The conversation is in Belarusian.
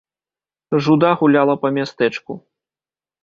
Жуда гуляла па мястэчку.